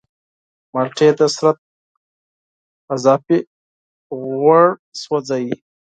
مالټې د بدن اضافي غوړ سوځوي.